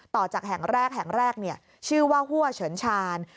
ต่อจากแห่งแรกแห่งแรกชื่อว่าหัวเฉินชาญ